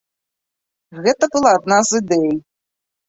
Гэта была адна з ідэй.